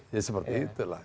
ya seperti itulah